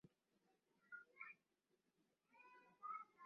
আত্মারূপে বিশ্বে কেবল একজনই আছেন।